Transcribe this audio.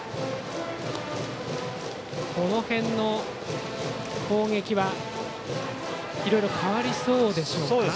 この辺の攻撃はいろいろ変わりそうですか。